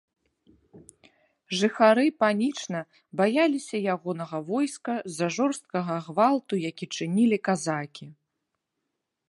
Жыхары панічна баяліся ягонага войска з-за жорсткага гвалту, які чынілі казакі.